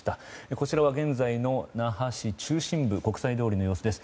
こちらは現在の那覇市中心部国際通りの様子です。